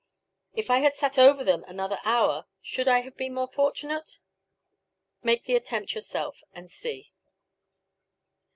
If I had sat over them another hour, should I have been more fortunate? Make the attempt yourself and see.